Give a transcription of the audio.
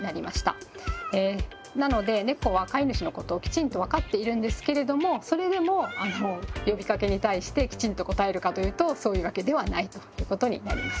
なのでネコは飼い主のことをきちんと分かっているんですけれどもそれでも呼びかけに対してきちんと応えるかというとそういうわけではないということになります。